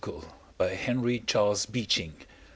Henry Charles Beeching.